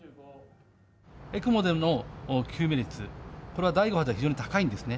ＥＣＭＯでの救命率、これは第５波では非常に高いんですね。